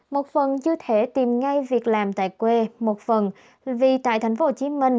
một phần chưa thể tìm ngay việc làm tại quê một phần vì tại tp hcm